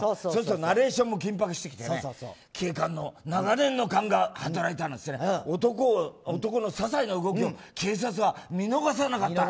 ナレーションも緊迫して警官の長年の勘が働いたなんていって男の些細な動きを警察は見逃さなかった。